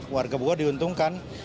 warga bogor diuntungkan